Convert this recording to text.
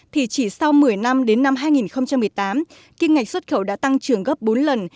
thì chỉ sau một mươi năm đến năm hai nghìn một mươi tám kim ngạch xuất khẩu đã tăng trưởng gấp bốn lần